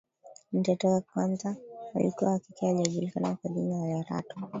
Mtoto wa kwanza alikuwa wa kike aliyejulikana kwa jina la Lerato